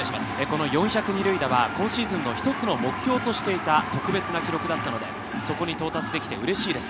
４００二塁打は今シーズンの一つの目標としていた特別な記録だったので、そこに到達できてうれしいです。